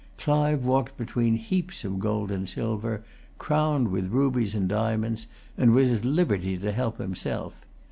Clive walked between heaps of gold and silver, crowned with rubies and diamonds, and was at liberty to help himself.